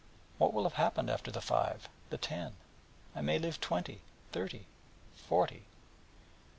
What will have happened after the five? the ten? I may live twenty, thirty, forty...'